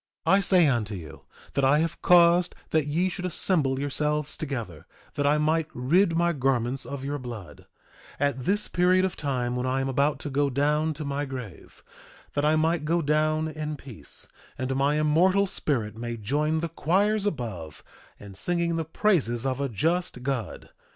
2:28 I say unto you that I have caused that ye should assemble yourselves together that I might rid my garments of your blood, at this period of time when I am about to go down to my grave, that I might go down in peace, and my immortal spirit may join the choirs above in singing the praises of a just God.